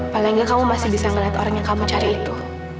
paling nggak kamu masih bisa ngeliat orang yang kamu cari itu